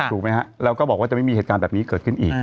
ถูกไหมฮะแล้วก็บอกว่าจะไม่มีเหตุการณ์แบบนี้เกิดขึ้นอีก